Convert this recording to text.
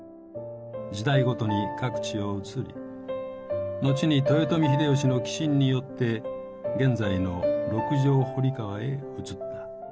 時代ごとに各地を移り後に豊臣秀吉の寄進によって現在の六条堀川へ移った。